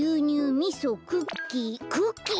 みそクッキークッキー？